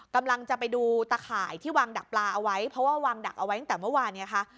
กำลังจะไปดูตะข่ายที่วางดักปลาเอาไว้เพราะว่าวางดักเอาไว้ตั้งแต่เมื่อวานไงคะ